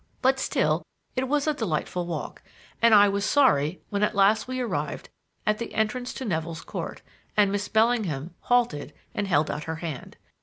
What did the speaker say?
But still it was a delightful walk, and I was sorry when at last we arrived at the entrance to Nevill's Court, and Miss Bellingham halted and held out her hand.